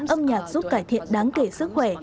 âm nhạc giúp cải thiện đáng kể sức khỏe